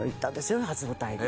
初舞台で。